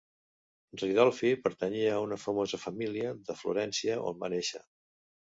Ridolfi pertanyia a una famosa família de Florència, on va néixer.